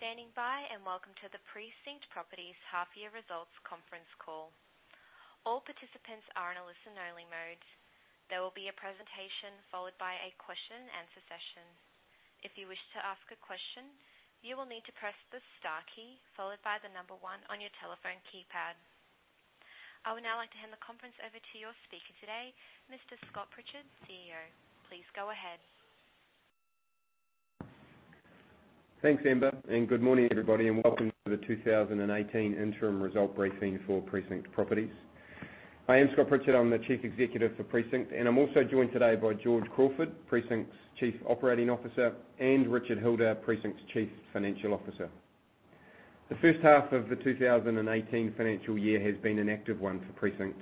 Thank you for standing by. Welcome to the Precinct Properties Half Year Results Conference Call. All participants are in a listen-only mode. There will be a presentation followed by a question and answer session. If you wish to ask a question, you will need to press the star key followed by the number one on your telephone keypad. I would now like to hand the conference over to your speaker today, Mr. Scott Pritchard, CEO. Please go ahead. Thanks, Amber. Good morning, everybody. Welcome to the 2018 interim result briefing for Precinct Properties. I am Scott Pritchard. I am the Chief Executive for Precinct, and I am also joined today by George Crawford, Precinct's Chief Operating Officer, and Richard Hilder, Precinct's Chief Financial Officer. The first half of the 2018 financial year has been an active one for Precinct,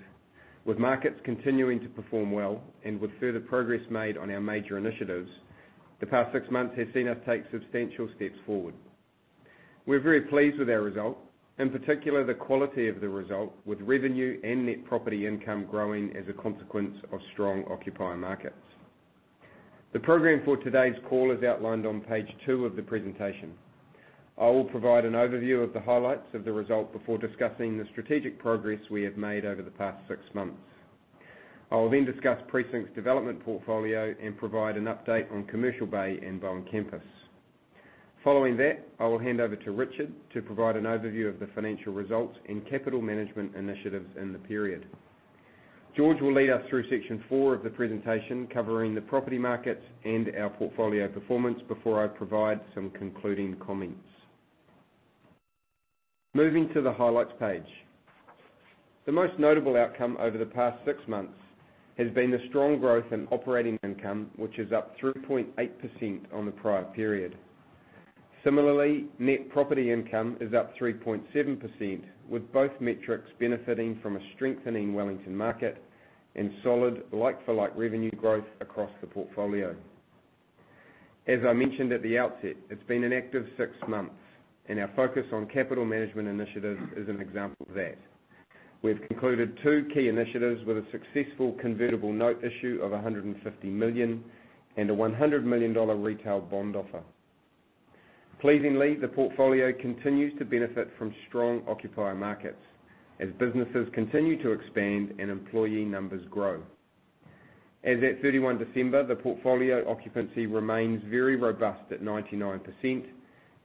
with markets continuing to perform well and with further progress made on our major initiatives. The past six months have seen us take substantial steps forward. We are very pleased with our result, in particular, the quality of the result, with revenue and net property income growing as a consequence of strong occupier markets. The program for today's call is outlined on page two of the presentation. I will provide an overview of the highlights of the result before discussing the strategic progress we have made over the past six months. I will then discuss Precinct's development portfolio and provide an update on Commercial Bay and Bowen Campus. Following that, I will hand over to Richard to provide an overview of the financial results and capital management initiatives in the period. George will lead us through section four of the presentation, covering the property markets and our portfolio performance before I provide some concluding comments. Moving to the highlights page. The most notable outcome over the past six months has been the strong growth in operating income, which is up 3.8% on the prior period. Similarly, net property income is up 3.7%, with both metrics benefiting from a strengthening Wellington market and solid like-for-like revenue growth across the portfolio. As I mentioned at the outset, it has been an active six months. Our focus on capital management initiatives is an example of that. We have concluded two key initiatives with a successful convertible note issue of 150 million and a 100 million dollar retail bond offer. Pleasingly, the portfolio continues to benefit from strong occupier markets as businesses continue to expand and employee numbers grow. As at 31 December, the portfolio occupancy remains very robust at 99%,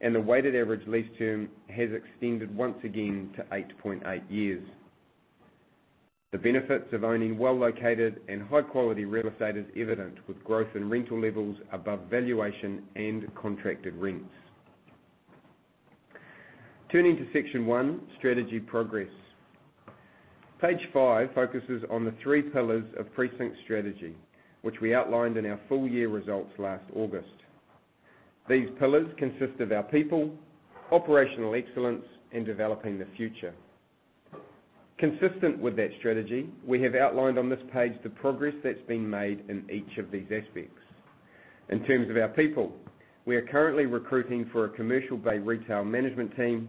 and the weighted average lease term has extended once again to 8.8 years. The benefits of owning well-located and high-quality real estate is evident, with growth in rental levels above valuation and contracted rents. Turning to section one, strategy progress. Page five focuses on the three pillars of Precinct's strategy, which we outlined in our full-year results last August. These pillars consist of our people, operational excellence, and developing the future. Consistent with that strategy, we have outlined on this page the progress that's been made in each of these aspects. In terms of our people, we are currently recruiting for a Commercial Bay retail management team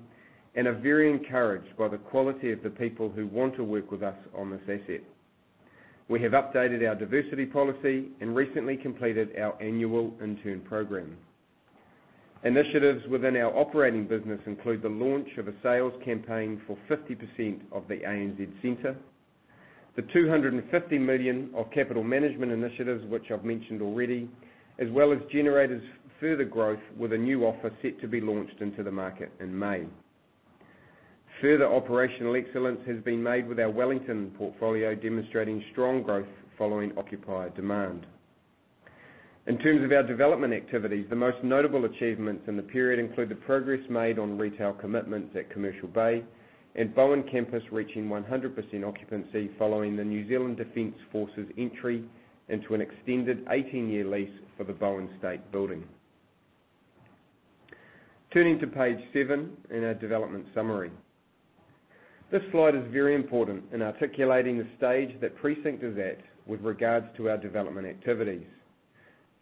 and are very encouraged by the quality of the people who want to work with us on this asset. We have updated our diversity policy and recently completed our annual intern program. Initiatives within our operating business include the launch of a sales campaign for 50% of the ANZ Centre, the 250 million of capital management initiatives, which I've mentioned already, as well as Generator's further growth with a new offer set to be launched into the market in May. Further operational excellence has been made with our Wellington portfolio, demonstrating strong growth following occupier demand. In terms of our development activities, the most notable achievements in the period include the progress made on retail commitments at Commercial Bay and Bowen Campus reaching 100% occupancy, following the New Zealand Defence Force's entry into an extended 18-year lease for the Bowen State building. Turning to page seven in our development summary. This slide is very important in articulating the stage that Precinct is at with regards to our development activities.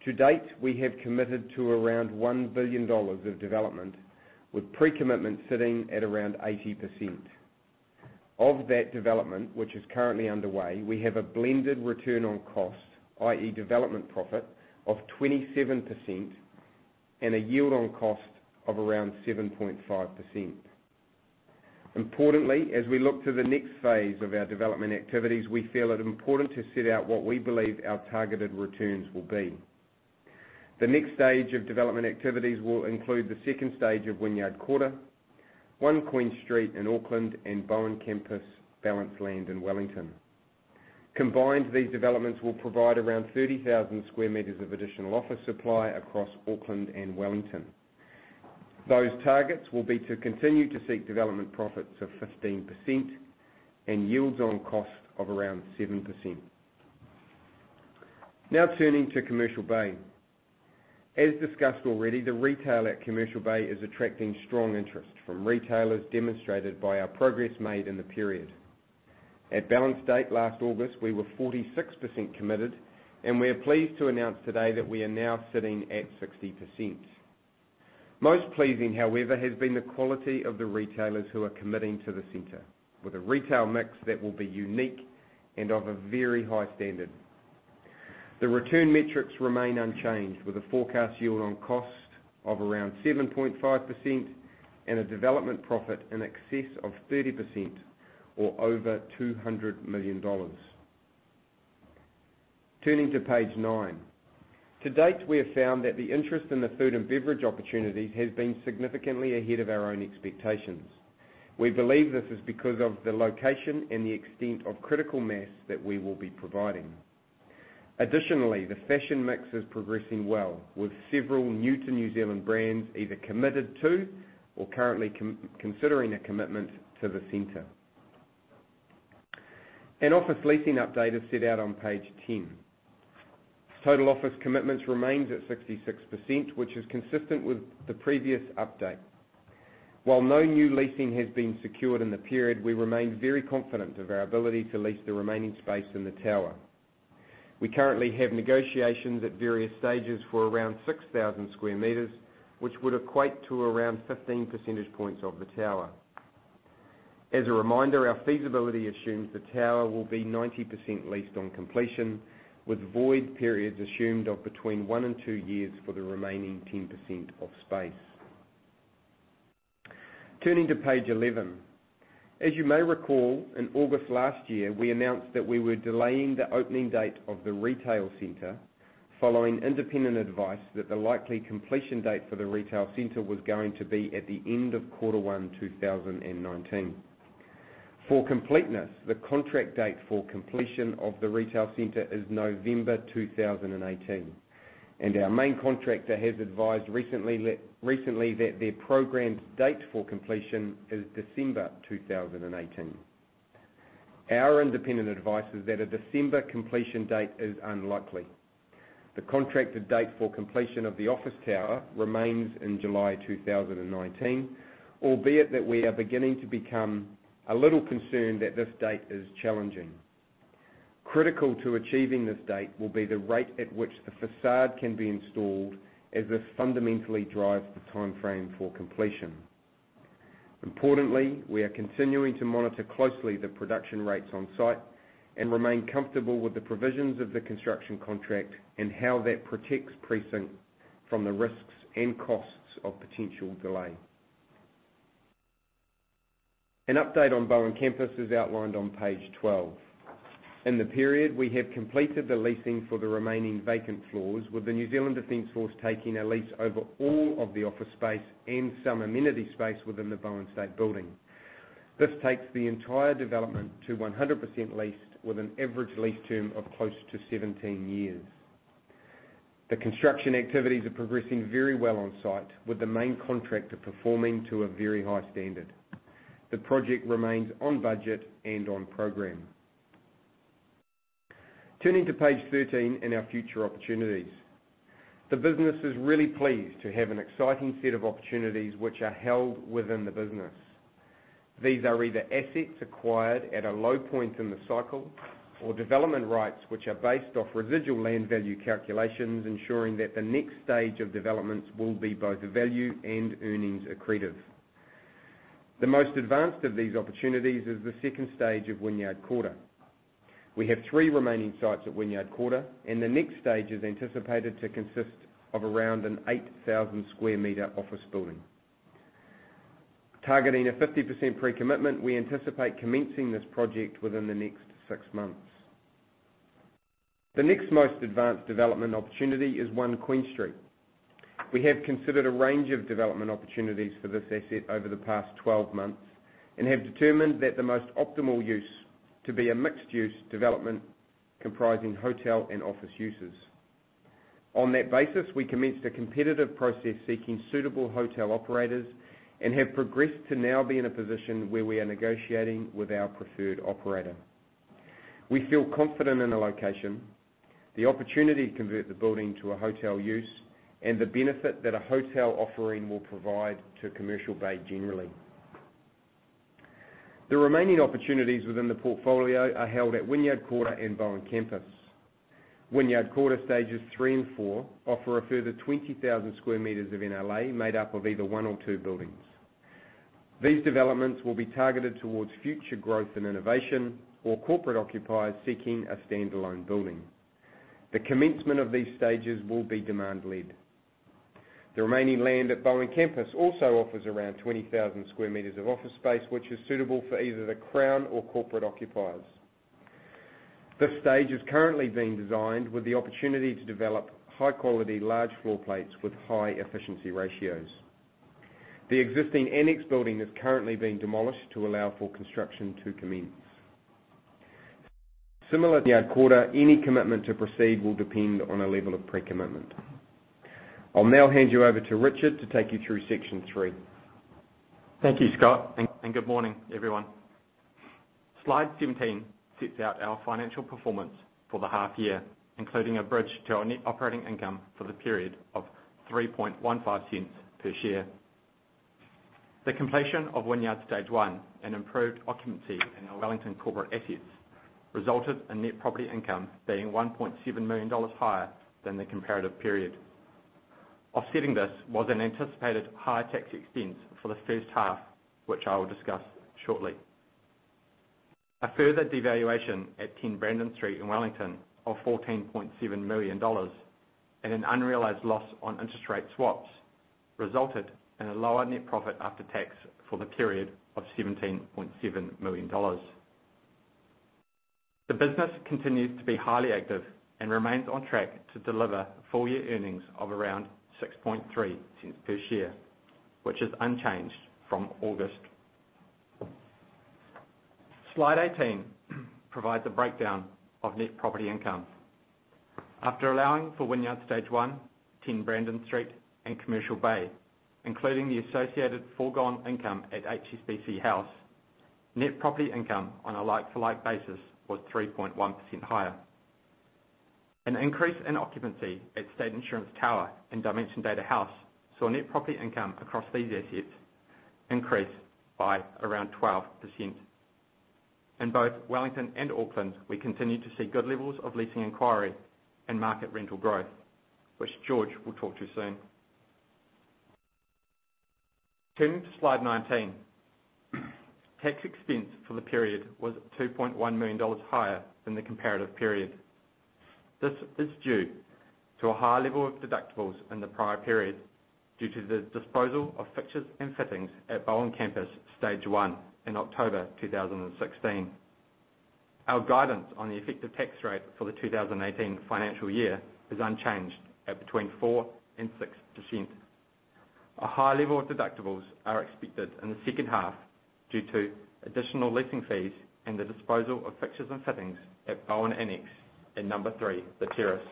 To date, we have committed to around 1 billion dollars of development, with pre-commitment sitting at around 80%. Of that development, which is currently underway, we have a blended return on cost, i.e., development profit of 27% and a yield on cost of around 7.5%. Importantly, as we look to the next phase of our development activities, we feel it important to set out what we believe our targeted returns will be. The next second stage of development activities will include the second stage of Wynyard Quarter, One Queen Street in Auckland, and Bowen Campus balance land in Wellington. Combined, these developments will provide around 30,000 sq m of additional office supply across Auckland and Wellington. Those targets will be to continue to seek development profits of 15% and yields on cost of around 7%. Now turning to Commercial Bay. As discussed already, the retail at Commercial Bay is attracting strong interest from retailers, demonstrated by our progress made in the period. At balance date last August, we were 46% committed, and we are pleased to announce today that we are now sitting at 60%. Most pleasing, however, has been the quality of the retailers who are committing to the center, with a retail mix that will be unique and of a very high standard. The return metrics remain unchanged, with a forecast yield on cost of around 7.5% and a development profit in excess of 30%, or over 200 million dollars. Turning to page nine. To date, we have found that the interest in the food and beverage opportunities has been significantly ahead of our own expectations. We believe this is because of the location and the extent of critical mass that we will be providing. Additionally, the fashion mix is progressing well, with several new to New Zealand brands either committed to or currently considering a commitment to the center. An office leasing update is set out on page 10. Total office commitments remains at 66%, which is consistent with the previous update. While no new leasing has been secured in the period, we remain very confident of our ability to lease the remaining space in the tower. We currently have negotiations at various stages for around 6,000 sq m, which would equate to around 15 percentage points of the tower. As a reminder, our feasibility assumes the tower will be 90% leased on completion, with void periods assumed of between one and two years for the remaining 10% of space. Turning to page 11. As you may recall, in August last year, we announced that we were delaying the opening date of the retail center following independent advice that the likely completion date for the retail center was going to be at the end of quarter one 2019. For completeness, the contract date for completion of the retail center is November 2018, and our main contractor has advised recently that their programmed date for completion is December 2018. Our independent advice is that a December completion date is unlikely. The contracted date for completion of the office tower remains in July 2019, albeit that we are beginning to become a little concerned that this date is challenging. Critical to achieving this date will be the rate at which the façade can be installed, as this fundamentally drives the timeframe for completion. Importantly, we are continuing to monitor closely the production rates on site and remain comfortable with the provisions of the construction contract and how that protects Precinct from the risks and costs of potential delay. An update on Bowen Campus is outlined on page 12. In the period, we have completed the leasing for the remaining vacant floors with the New Zealand Defence Force taking a lease over all of the office space and some amenity space within the Bowen State Building. This takes the entire development to 100% leased with an average lease term of close to 17 years. The construction activities are progressing very well on site with the main contractor performing to a very high standard. The project remains on budget and on program. Turning to page 13 and our future opportunities. The business is really pleased to have an exciting set of opportunities which are held within the business. These are either assets acquired at a low point in the cycle or development rights, which are based off residual land value calculations, ensuring that the next stage of developments will be both value and earnings accretive. The most advanced of these opportunities is the second stage of Wynyard Quarter. We have three remaining sites at Wynyard Quarter, and the next stage is anticipated to consist of around an 8,000 sq m office building. Targeting a 50% pre-commitment, we anticipate commencing this project within the next six months. The next most advanced development opportunity is 1 Queen Street. We have considered a range of development opportunities for this asset over the past 12 months and have determined that the most optimal use to be a mixed-use development comprising hotel and office uses. On that basis, we commenced a competitive process seeking suitable hotel operators and have progressed to now be in a position where we are negotiating with our preferred operator. We feel confident in the location, the opportunity to convert the building to a hotel use, and the benefit that a hotel offering will provide to Commercial Bay generally. The remaining opportunities within the portfolio are held at Wynyard Quarter and Bowen Campus. Wynyard Quarter stages 3 and 4 offer a further 20,000 sq m of NLA made up of either one or 2 buildings. These developments will be targeted towards future growth and innovation or corporate occupiers seeking a standalone building. The commencement of these stages will be demand led. The remaining land at Bowen Campus also offers around 20,000 sq m of office space, which is suitable for either the Crown or corporate occupiers. This stage is currently being designed with the opportunity to develop high-quality, large floor plates with high efficiency ratios. The existing Annex building is currently being demolished to allow for construction to commence. Similar to Wynyard Quarter, any commitment to proceed will depend on a level of pre-commitment. I will now hand you over to Richard to take you through section three. Thank you, Scott, good morning, everyone. Slide 17 sets out our financial performance for the half year, including a bridge to our net operating income for the period of 0.0315 per share. The completion of Wynyard Stage 1 and improved occupancy in our Wellington corporate assets resulted in net property income being 1.7 million dollars higher than the comparative period. Offsetting this was an anticipated higher tax expense for the first half, which I will discuss shortly. A further devaluation at 10 Brandon Street in Wellington of 14.7 million dollars and an unrealized loss on interest rate swaps resulted in a lower net profit after tax for the period of 17.7 million dollars. The business continues to be highly active and remains on track to deliver full-year earnings of around 0.063 per share, which is unchanged from August. Slide 18 provides a breakdown of net property income. After allowing for Wynyard Stage I, 10 Brandon Street, and Commercial Bay, including the associated foregone income at HSBC House, net property income on a like-for-like basis was 3.1% higher. An increase in occupancy at State Insurance Tower and Dimension Data House saw net property income across these assets increase by around 12%. In both Wellington and Auckland, we continue to see good levels of leasing inquiry and market rental growth, which George will talk to you soon. Turning to slide 19. Tax expense for the period was 2.1 million dollars higher than the comparative period. This is due to a high level of deductibles in the prior period due to the disposal of fixtures and fittings at Bowen Campus Stage I in October 2016. Our guidance on the effective tax rate for the 2018 financial year is unchanged at between 4% and 6%. A high level of deductibles are expected in the second half due to additional leasing fees and the disposal of fixtures and fittings at Bowen Annex in number three, The Terrace.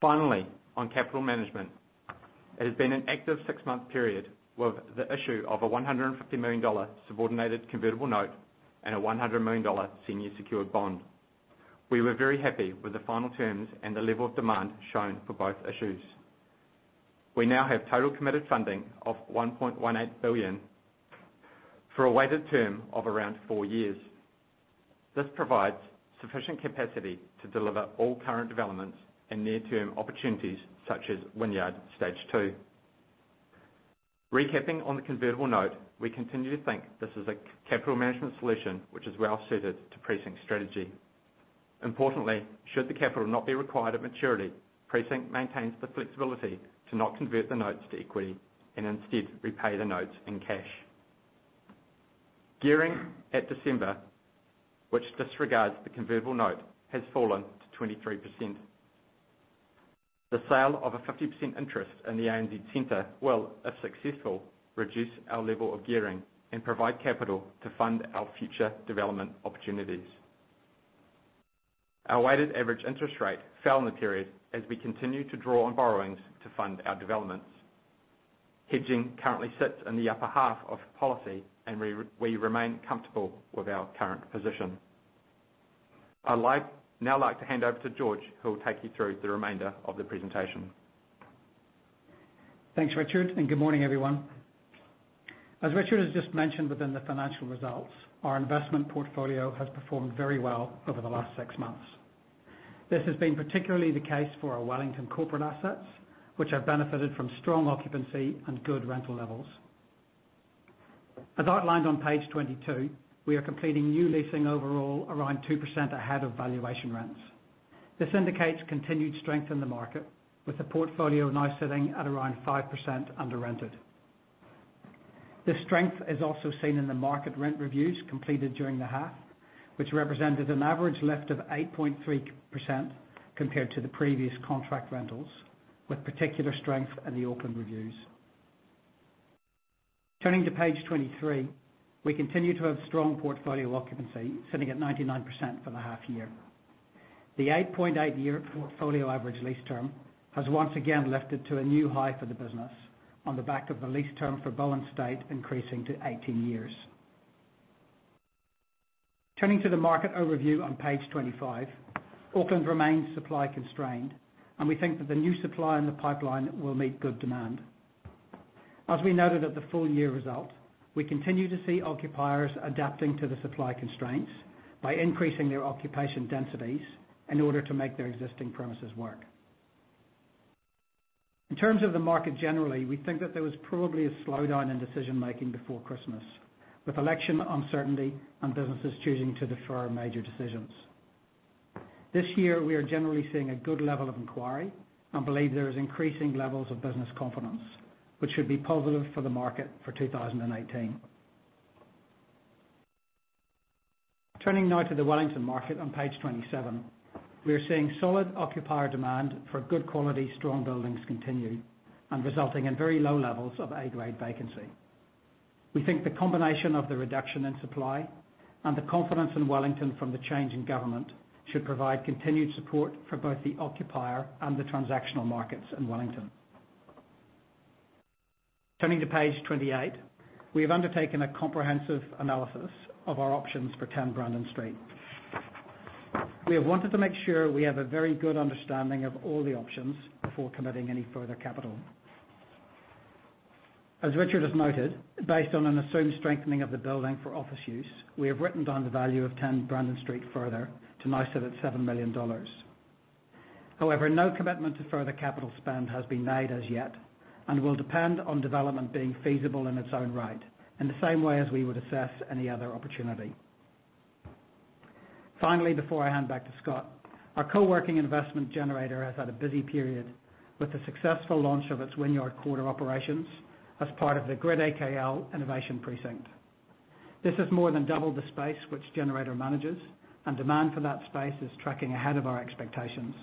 Finally, on capital management, it has been an active six-month period with the issue of a 150 million dollar subordinated convertible note and a 100 million dollar senior secured bond. We were very happy with the final terms and the level of demand shown for both issues. We now have total committed funding of NZD 1.18 billion for a weighted term of around four years. This provides sufficient capacity to deliver all current developments and near-term opportunities, such as Wynyard Stage II. Recapping on the convertible note, we continue to think this is a capital management solution which is well suited to Precinct's strategy. Importantly, should the capital not be required at maturity, Precinct maintains the flexibility to not convert the notes to equity and instead repay the notes in cash. Gearing at December, which disregards the convertible note, has fallen to 23%. The sale of a 50% interest in the ANZ Centre will, if successful, reduce our level of gearing and provide capital to fund our future development opportunities. Our weighted average interest rate fell in the period as we continue to draw on borrowings to fund our developments. Hedging currently sits in the upper half of policy, and we remain comfortable with our current position. I'd now like to hand over to George, who will take you through the remainder of the presentation. Thanks, Richard. Good morning, everyone. As Richard has just mentioned within the financial results, our investment portfolio has performed very well over the last six months. This has been particularly the case for our Wellington corporate assets, which have benefited from strong occupancy and good rental levels. As outlined on page 22, we are completing new leasing overall around 2% ahead of valuation rents. This indicates continued strength in the market, with the portfolio now sitting at around 5% under rented. This strength is also seen in the market rent reviews completed during the half, which represented an average lift of 8.3% compared to the previous contract rentals, with particular strength in the Auckland reviews. Turning to page 23. We continue to have strong portfolio occupancy, sitting at 99% for the half year. The 8.8-year portfolio average lease term has once again lifted to a new high for the business on the back of the lease term for Bowen State Building increasing to 18 years. Turning to the market overview on page 25. Auckland remains supply-constrained. We think that the new supply in the pipeline will meet good demand. As we noted at the full-year result, we continue to see occupiers adapting to the supply constraints by increasing their occupation densities in order to make their existing premises work. In terms of the market generally, we think that there was probably a slowdown in decision-making before Christmas, with election uncertainty and businesses choosing to defer major decisions. This year, we are generally seeing a good level of inquiry and believe there is increasing levels of business confidence, which should be positive for the market for 2018. Turning now to the Wellington market on page 27. We are seeing solid occupier demand for good quality, strong buildings continue, resulting in very low levels of A-grade vacancy. We think the combination of the reduction in supply and the confidence in Wellington from the change in government should provide continued support for both the occupier and the transactional markets in Wellington. Turning to page 28. We have undertaken a comprehensive analysis of our options for 10 Brandon Street. We have wanted to make sure we have a very good understanding of all the options before committing any further capital. As Richard has noted, based on an assumed strengthening of the building for office use, we have written down the value of 10 Brandon Street further to now sit at 7 million dollars. However, no commitment to further capital spend has been made as yet, and will depend on development being feasible in its own right, in the same way as we would assess any other opportunity. Finally, before I hand back to Scott, our co-working investment Generator has had a busy period with the successful launch of its Wynyard Quarter operations as part of the GridAKL innovation precinct. This has more than doubled the space which Generator manages, and demand for that space is tracking ahead of our expectations.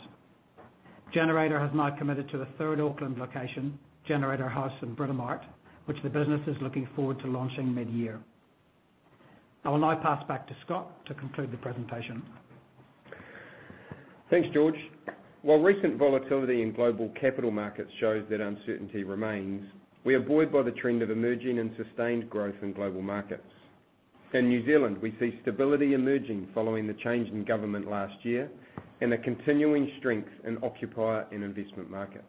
Generator has now committed to the third Auckland location, Generator House in Britomart, which the business is looking forward to launching mid-year. I will now pass back to Scott to conclude the presentation. Thanks, George. While recent volatility in global capital markets shows that uncertainty remains, we are buoyed by the trend of emerging and sustained growth in global markets. In New Zealand, we see stability emerging following the change in government last year, and a continuing strength in occupier and investment markets.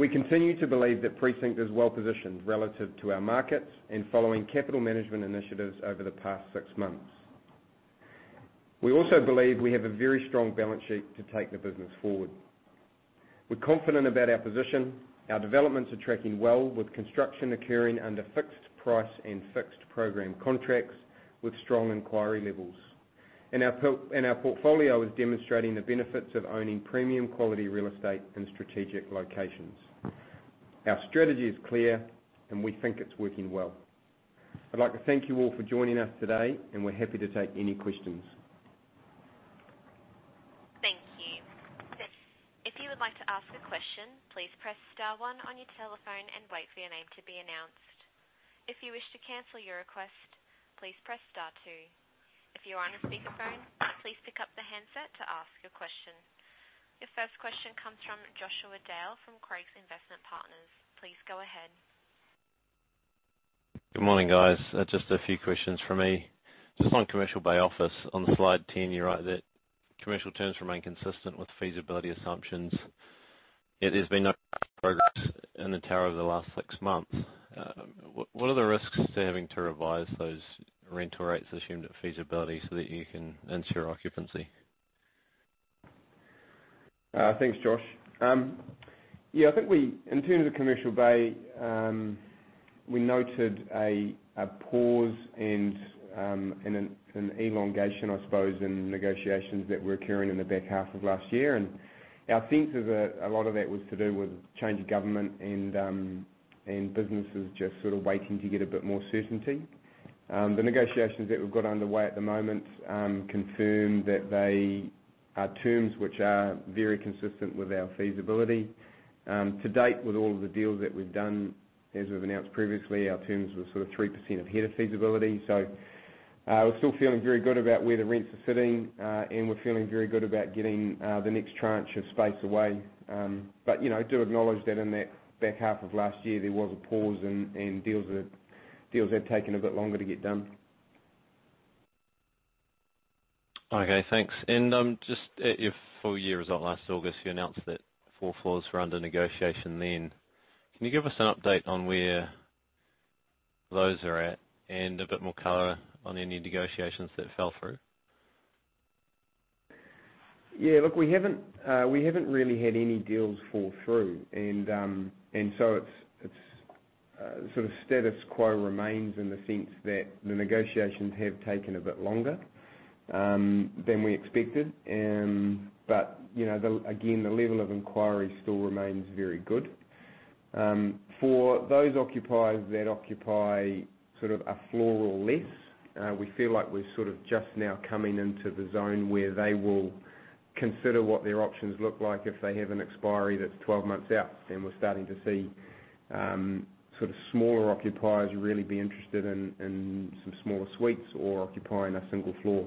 We continue to believe that Precinct is well-positioned relative to our markets and following capital management initiatives over the past six months. We also believe we have a very strong balance sheet to take the business forward. We're confident about our position. Our developments are tracking well with construction occurring under fixed price and fixed program contracts with strong inquiry levels. Our portfolio is demonstrating the benefits of owning premium quality real estate in strategic locations. Our strategy is clear, and we think it's working well. I'd like to thank you all for joining us today, and we're happy to take any questions. Thank you. If you would like to ask a question, please press star one on your telephone and wait for your name to be announced. If you wish to cancel your request, please press star two. If you are on a speakerphone, please pick up the handset to ask your question. Your first question comes from Joshua Dale from Craigs Investment Partners. Please go ahead. Good morning, guys. Just a few questions from me. Just on Commercial Bay office, on slide 10, you write that commercial terms remain consistent with feasibility assumptions, yet there's been no progress in the tower over the last six months. What are the risks to having to revise those rental rates assumed at feasibility so that you can ensure occupancy? Thanks, Josh. Yeah, I think in terms of Commercial Bay, we noted a pause and an elongation, I suppose, in negotiations that were occurring in the back half of last year. Our sense is that a lot of that was to do with change of government and businesses just sort of waiting to get a bit more certainty. The negotiations that we've got underway at the moment confirm that they are terms which are very consistent with our feasibility. To date with all of the deals that we've done, as we've announced previously, our terms were sort of 3% ahead of feasibility. We're still feeling very good about where the rents are sitting, and we're feeling very good about getting the next tranche of space away. I do acknowledge that in that back half of last year, there was a pause and deals had taken a bit longer to get done. Okay, thanks. Just at your full year result last August, you announced that four floors were under negotiation then. Can you give us an update on where those are at and a bit more color on any negotiations that fell through? Yeah, look, we haven't really had any deals fall through. Status quo remains in the sense that the negotiations have taken a bit longer than we expected. Again, the level of inquiry still remains very good. For those occupiers that occupy a floor or less, we feel like we're just now coming into the zone where they will consider what their options look like if they have an expiry that's 12 months out. We're starting to see smaller occupiers really be interested in some smaller suites or occupying a single floor.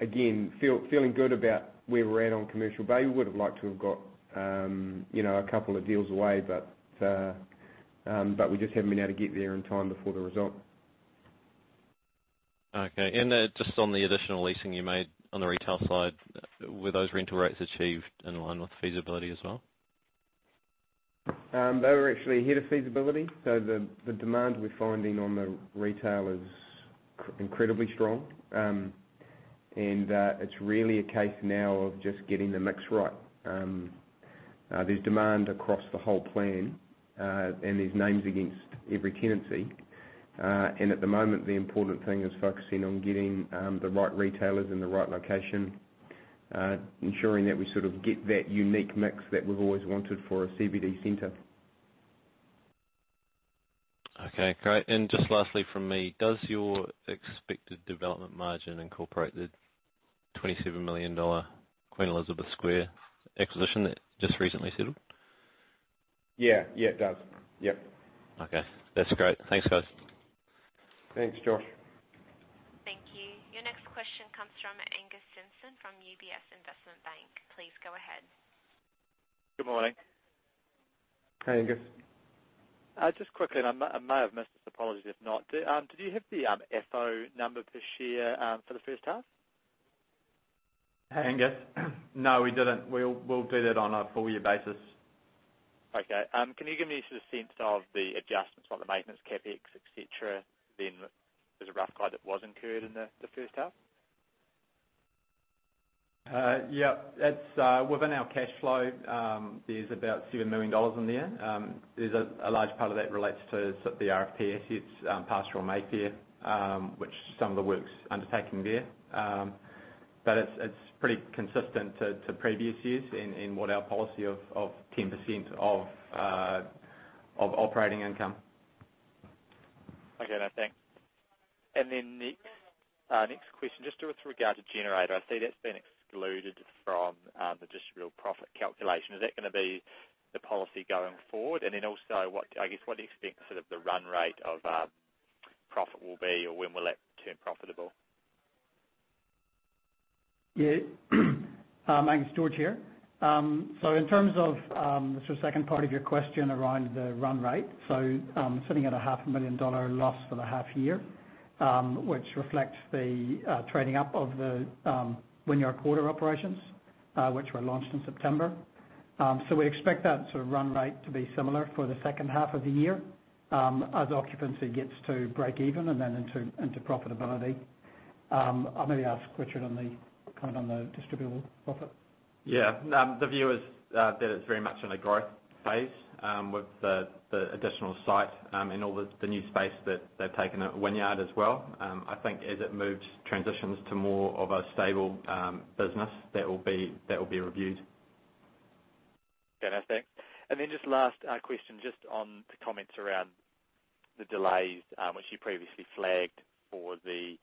Again, feeling good about where we're at on Commercial Bay. We would've liked to have got a couple of deals away, but we just haven't been able to get there in time before the result. Okay. Just on the additional leasing you made on the retail side, were those rental rates achieved in line with feasibility as well? They were actually ahead of feasibility. The demand we're finding on the retail is incredibly strong. It's really a case now of just getting the mix right. There's demand across the whole plan, and there's names against every tenancy. At the moment, the important thing is focusing on getting the right retailers in the right location, ensuring that we sort of get that unique mix that we've always wanted for a CBD center. Okay, great. Just lastly from me, does your expected development margin incorporate the 27 million dollar Queen Elizabeth Square acquisition that just recently settled? Yeah. It does. Yep. Okay. That's great. Thanks, guys. Thanks, Josh. Thank you. Your next question comes from Angus Simpson from UBS Investment Bank. Please go ahead. Good morning. Hi, Angus. Just quickly, I may have missed this, apologies if not, did you have the FFO number per share for the first half? Hey, Angus. No, we didn't. We'll get it on a full year basis. Can you give me a sense of the adjustments on the maintenance CapEx, et cetera, than there's a rough guide that was incurred in the first half? Within our cash flow, there's about 7 million dollars in there. A large part of that relates to the RFP assets, Pastoral, Mayfair which some of the work's undertaking there. It's pretty consistent to previous years in what our policy of 10% of operating income. Thanks. The next question, just with regard to Generator. I see that's been excluded from the distributable profit calculation. Is that going to be the policy going forward? Also, I guess, what do you expect the run rate of profit will be, or when will it turn profitable? Angus George here. In terms of the second part of your question around the run rate, sitting at a half a million NZD loss for the half year which reflects the trading up of the Wynyard Quarter operations which were launched in September. We expect that run rate to be similar for the second half of the year, as occupancy gets to breakeven and then into profitability. I'll maybe ask Richard on the distributable profit. Yeah. The view is that it's very much in a growth phase with the additional site, and all the new space that they've taken at Wynyard as well. I think as it transitions to more of a stable business, that will be reviewed. Fantastic. Just last question, just on the comments around the delays which you previously flagged for the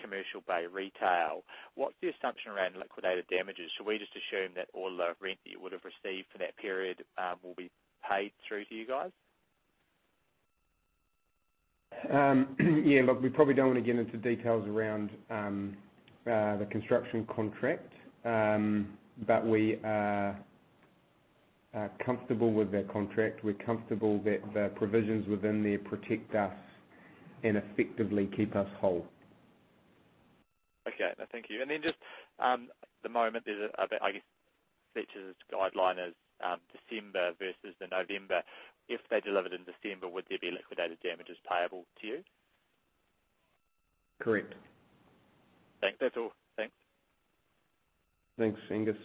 Commercial Bay retail. What's the assumption around liquidated damages? Should we just assume that all the rent that you would have received for that period will be paid through to you guys? Yeah. Look, we probably don't want to get into details around the construction contract. We are comfortable with that contract. We're comfortable that the provisions within there protect us and effectively keep us whole. Okay. Thank you. Just at the moment, I guess, Fletcher's guideline is December versus the November. If they delivered in December, would there be liquidated damages payable to you? Correct. Thanks. That's all. Thanks. Thanks, Angus.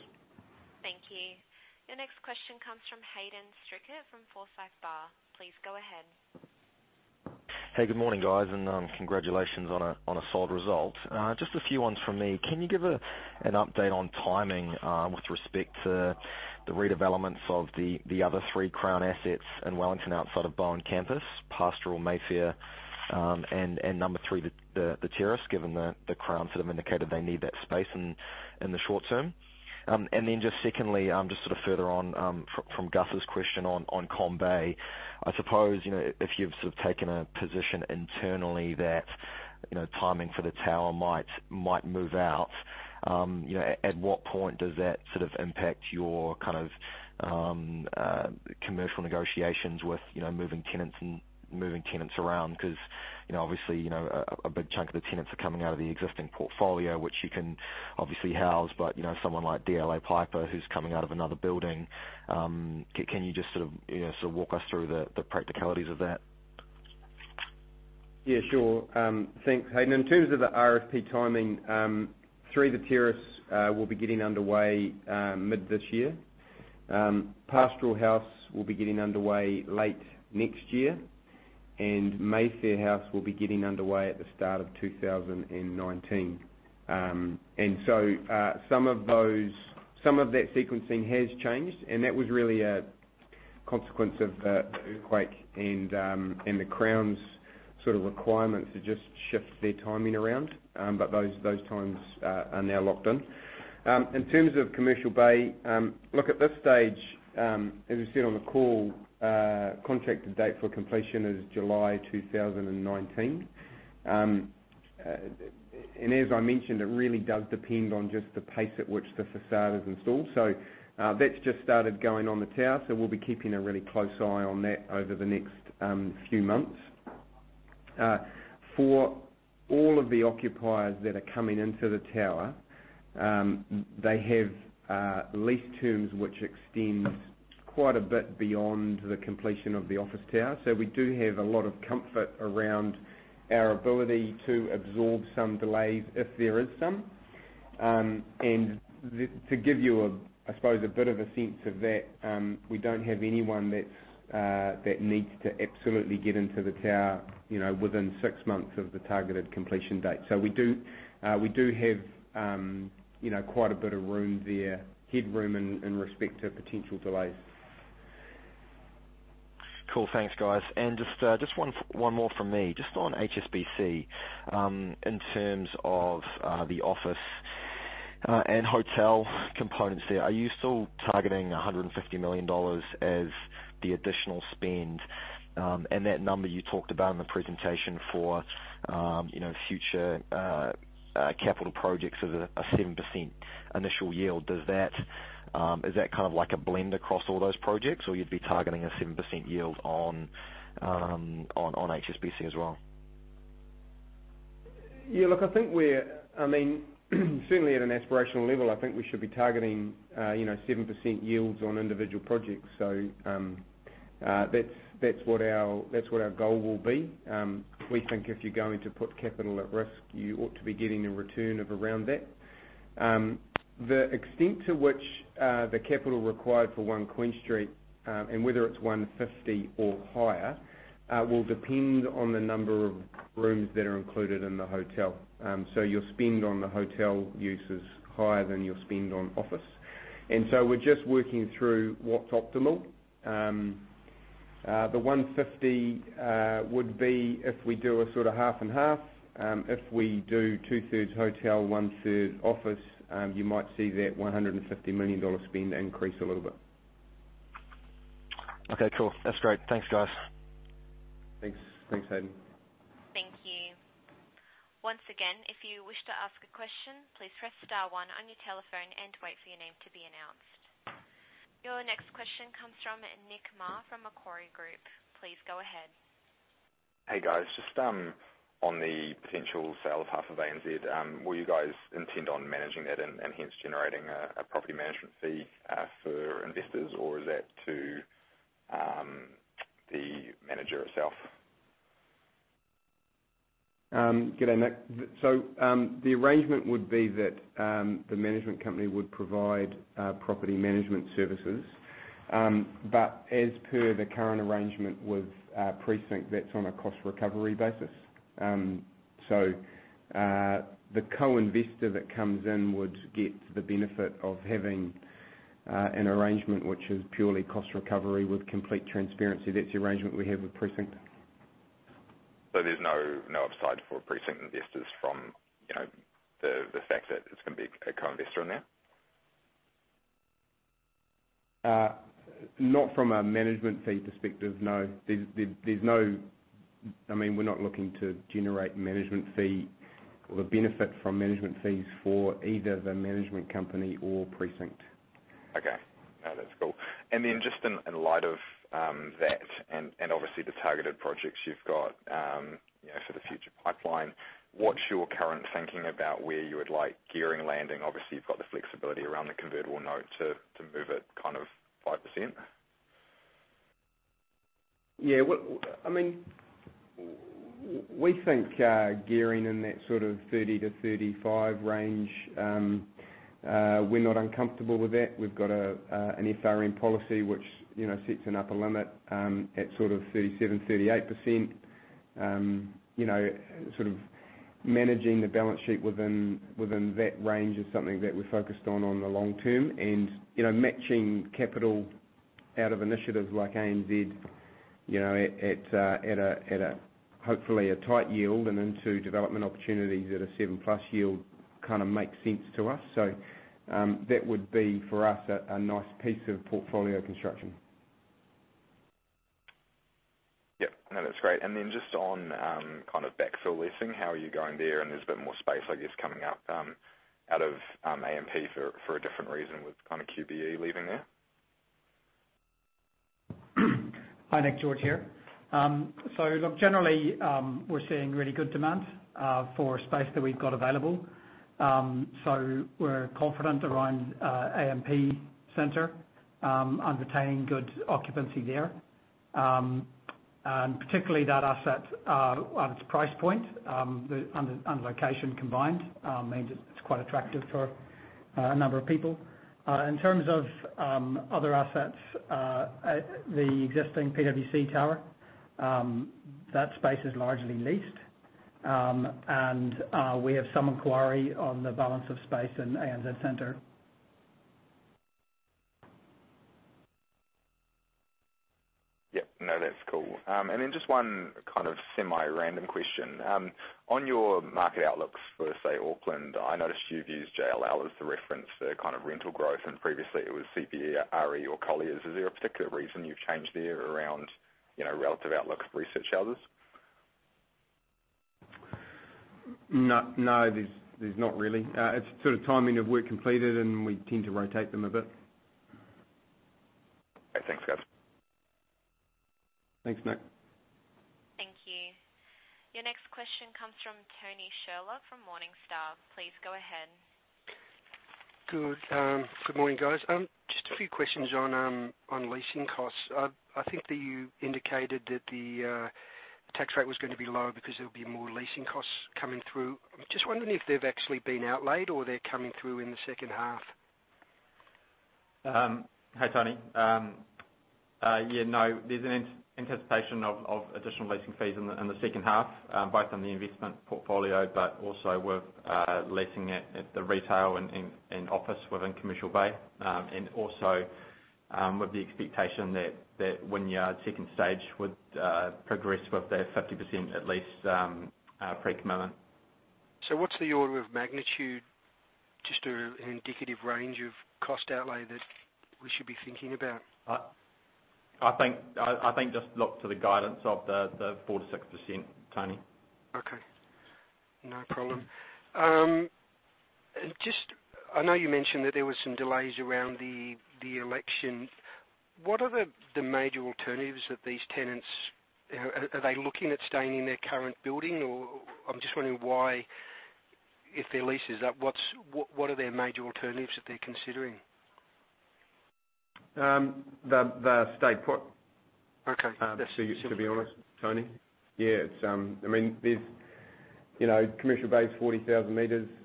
Thank you. Your next question comes from Hayden Stricker from Forsyth Barr. Please go ahead. Hey, good morning, guys, congratulations on a solid result. Just a few ones from me. Can you give an update on timing with respect to the redevelopments of the other three Crown assets in Wellington outside of Bowen Campus, Pastoral Mayfair, and number three, The Terrace, given the Crown indicated they need that space in the short term. Just secondly, just further on from Gus's question on ComBay. I suppose, if you've taken a position internally that timing for the tower might move out, at what point does that impact your commercial negotiations with moving tenants and moving tenants around? Obviously, a big chunk of the tenants are coming out of the existing portfolio, which you can obviously house. Someone like DLA Piper who's coming out of another building, can you just walk us through the practicalities of that? Yeah, sure. Thanks, Hayden. In terms of the RFP timing, Three The Terrace will be getting underway mid this year. Pastoral House will be getting underway late next year, and Mayfair House will be getting underway at the start of 2019. Some of that sequencing has changed, and that was really a consequence of the earthquake and the Crown's requirement to just shift their timing around. Those times are now locked in. In terms of Commercial Bay, look, at this stage, as we said on the call, contracted date for completion is July 2019. As I mentioned, it really does depend on just the pace at which the façade is installed. That's just started going on the tower, so we'll be keeping a really close eye on that over the next few months. For all of the occupiers that are coming into the tower, they have lease terms which extend quite a bit beyond the completion of the office tower. We do have a lot of comfort around our ability to absorb some delays if there is some. To give you, I suppose, a bit of a sense of that, we don't have anyone that needs to absolutely get into the tower within six months of the targeted completion date. We do have quite a bit of room there, headroom in respect to potential delays. Cool. Thanks, guys. Just one more from me, just on HSBC. In terms of the office and hotel components there, are you still targeting 150 million dollars as the additional spend? That number you talked about in the presentation for future capital projects as a 7% initial yield, is that a blend across all those projects, or you'd be targeting a 7% yield on HSBC as well? Yeah, look, certainly at an aspirational level, I think we should be targeting 7% yields on individual projects. That's what our goal will be. We think if you're going to put capital at risk, you ought to be getting a return of around that. The extent to which the capital required for One Queen Street, and whether it's 150 or higher, will depend on the number of rooms that are included in the hotel. Your spend on the hotel use is higher than your spend on office. We're just working through what's optimal. The 150 would be if we do a sort of half and half. If we do two-thirds hotel, one-third office, you might see that 150 million dollar spend increase a little bit. Okay, cool. That's great. Thanks, guys. Thanks. Thanks, Hayden. Thank you. Once again, if you wish to ask a question, please press star one on your telephone and wait for your name to be announced. Your next question comes from Nick Mar from Macquarie Group. Please go ahead. Hey, guys. Just on the potential sale of half of ANZ, will you guys intend on managing that and hence generating a property management fee for investors? Or is that to the manager itself? G'day, Nick. The arrangement would be that the management company would provide property management services. As per the current arrangement with Precinct, that's on a cost recovery basis. The co-investor that comes in would get the benefit of having an arrangement which is purely cost recovery with complete transparency. That's the arrangement we have with Precinct. There's no upside for Precinct investors from the fact that there's going to be a co-investor in there? Not from a management fee perspective, no. We're not looking to generate management fee or the benefit from management fees for either the management company or Precinct. Okay. No, that's cool. Just in light of that, and obviously the targeted projects you've got for the future pipeline, what's your current thinking about where you would like gearing landing? Obviously, you've got the flexibility around the convertible note to move at 5%. We think gearing in that 30-35 range, we're not uncomfortable with that. We've got an FRN policy, which sets an upper limit at 37%-38%. Managing the balance sheet within that range is something that we're focused on the long term. Matching capital out of initiatives like ANZ at a, hopefully, a tight yield and into development opportunities at a seven-plus yield kind of makes sense to us. That would be, for us, a nice piece of portfolio construction. That's great. Just on backfill leasing, how are you going there? There's a bit more space, I guess, coming up out of AMP for a different reason with QBE leaving there. Hi, Nick. George here. Generally, we're seeing really good demand for space that we've got available. We're confident around AMP Centre on retaining good occupancy there. Particularly that asset on its price point, and location combined, means it's quite attractive for a number of people. In terms of other assets, the existing PwC Tower, that space is largely leased. We have some inquiry on the balance of space in ANZ Centre. That's cool. Just one semi-random question. On your market outlooks for, say, Auckland, I noticed you've used JLL as the reference to rental growth and previously it was CBRE or Colliers. Is there a particular reason you've changed there around relative outlook research houses? No, there's not really. It's timing of work completed, and we tend to rotate them a bit. Okay. Thanks, guys. Thanks, Nick. Thank you. Your next question comes from Tony Sherlock from Morningstar. Please go ahead. Good morning, guys. Just a few questions on leasing costs. I think that you indicated that the tax rate was going to be lower because there will be more leasing costs coming through. I am just wondering if they have actually been outlaid or they are coming through in the second half. Hi, Tony. Yeah, no, there is an anticipation of additional leasing fees in the second half, both on the investment portfolio, but also with leasing at the retail and office within Commercial Bay. Also with the expectation that Wynyard second stage would progress with their 50% at lease pre-commitment. What's the order of magnitude, just an indicative range of cost outlay that we should be thinking about? I think just look to the guidance of the 4%-6%, Tony. Okay. No problem. Just, I know you mentioned that there were some delays around the election. What are the major alternatives that these tenants? Are they looking at staying in their current building? I'm just wondering why, if their lease is up, what are their major alternatives that they're considering? They'll stay put- Okay to be honest, Tony. Yeah. There's Commercial Bay is 40,000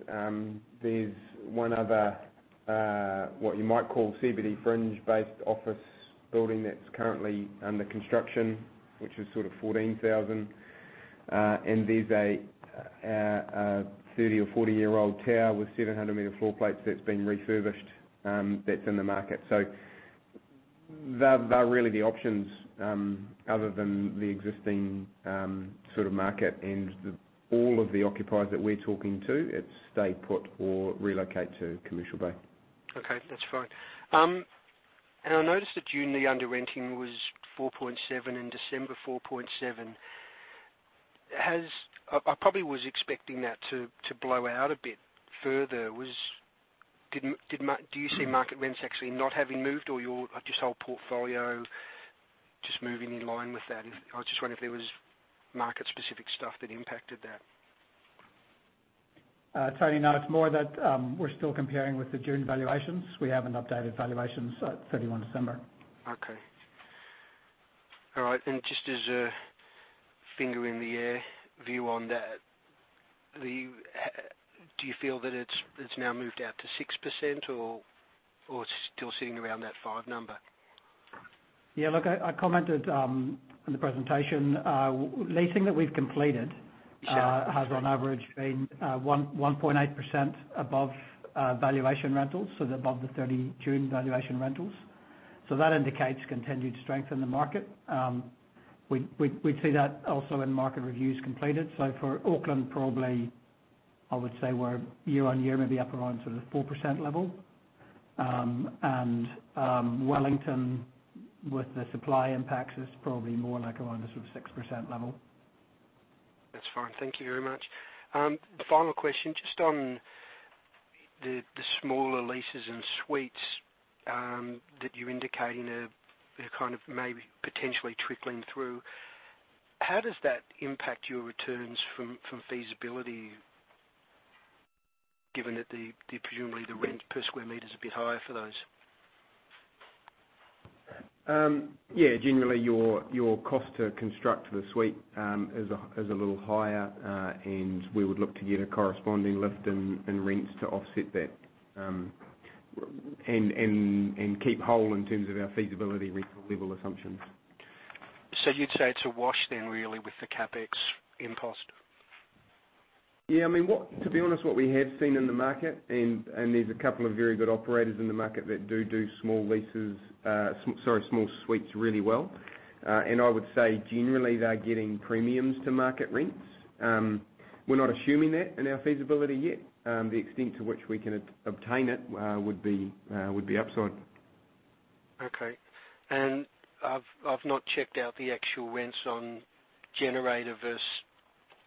sq m. There's one other, what you might call CBD fringe-based office building that's currently under construction, which is 14,000 sq m. There's a 30 or 40-year-old tower with 700 sq m floor plates that's been refurbished, that's in the market. They're really the options, other than the existing market and all of the occupiers that we're talking to, it's stay put or relocate to Commercial Bay. Okay, that's fine. I noticed that June, the under-renting was 4.7%, in December, 4.7%. I probably was expecting that to blow out a bit further. Do you see market rents actually not having moved, or your just whole portfolio just moving in line with that? I was just wondering if there was market-specific stuff that impacted that. Tony, it's more that we're still comparing with the June valuations. We haven't updated valuations at 31 December. Okay. All right. Just as a finger in the air view on that, do you feel that it's now moved out to 6% or still sitting around that five number? Yeah, look, I commented on the presentation. Leasing that we've completed Sure has on average been 1.8% above valuation rentals, above the 30 June valuation rentals. That indicates continued strength in the market. We'd see that also in market reviews completed. For Auckland, probably, I would say we're year-on-year, maybe up around the 4% level. Wellington, with the supply impacts, is probably more like around the 6% level. That's fine. Thank you very much. Final question, just on the smaller leases and suites that you're indicating are maybe potentially trickling through. How does that impact your returns from feasibility given that presumably the rent per sq m is a bit higher for those? Yeah. Generally, your cost to construct the suite is a little higher. We would look to get a corresponding lift in rents to offset that and keep whole in terms of our feasibility rental level assumptions. You'd say it's a wash then really with the CapEx impost? Yeah. To be honest, what we have seen in the market, there's a couple of very good operators in the market that do small leases, sorry, small suites really well. I would say generally they are getting premiums to market rents. We're not assuming that in our feasibility yet. The extent to which we can obtain it would be upside. I've not checked out the actual rents on Generator versus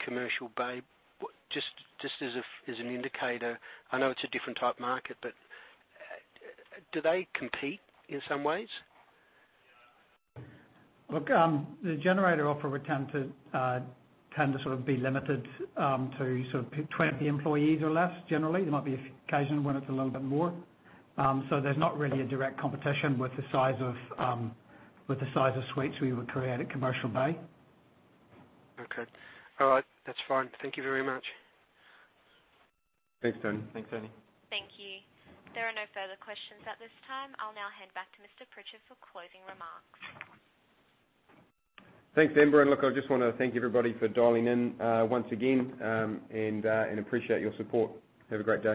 Commercial Bay. Just as an indicator, I know it's a different type of market, do they compete in some ways? Look, the Generator offer would tend to be limited to 20 employees or less. Generally. There might be a few occasions when it's a little bit more. There's not really a direct competition with the size of suites we would create at Commercial Bay. Okay. All right. That's fine. Thank you very much. Thanks, Tony. Thanks, Tony. Thank you. There are no further questions at this time. I'll now hand back to Mr. Pritchard for closing remarks. Thanks, Amber. Look, I just want to thank everybody for dialing in once again, and appreciate your support. Have a great day.